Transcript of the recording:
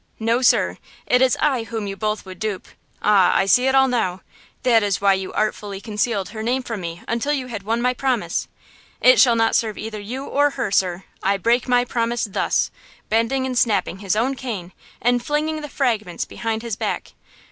No, sir! it is I whom you both would dupe! Ah, I see it all now! This is why you artfully concealed her name from me until you had won my promise! It shall not serve either you or her, sir! I break my promise thus!" bending and snapping his own cane and flinging the fragments behind his back."